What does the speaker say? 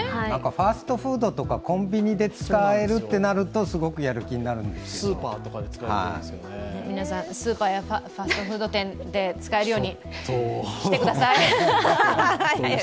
ファストフードとかコンビニとかで使えるってなるとすごくやる気になるんですけど皆さん、スーパーやファーストフード店で使えるようにしてください。